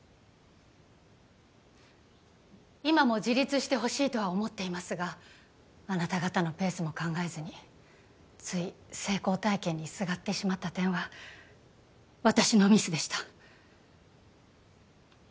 今も自立してほしいとは思っていますがあなた方のペースも考えずについ成功体験にすがってしまった点は私のミスでした